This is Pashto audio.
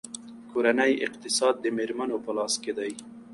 کورنۍ اقتصاد د میرمنو په لاس کې دی.